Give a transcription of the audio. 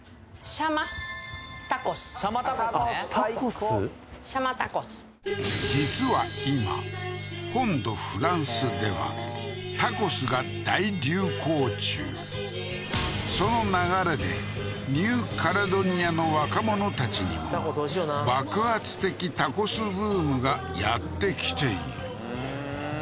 ＣＨＡＭＡＳＴＡＣＯＳ実は今本土フランスではタコスが大流行中その流れでニューカレドニアの若者たちにも爆発的タコスブームがやってきているふーん